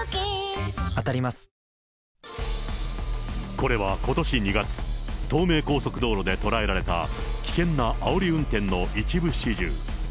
これはことし２月、東名高速道路で捉えられた危険なあおり運転の一部始終。